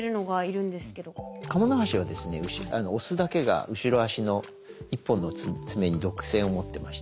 オスだけが後ろ足の１本の爪に毒性を持ってまして。